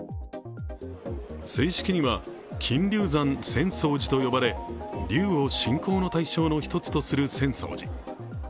正式には金龍山浅草寺と呼ばれ龍を信仰の対象の１つとする浅草寺。